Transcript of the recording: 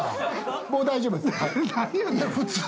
もう大丈夫です。